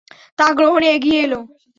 তা গ্রহণে এগিয়ে এল।